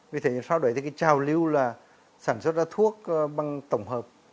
vì thế sau đấy thì cái trao lưu là sản xuất ra thuốc bằng tổng hợp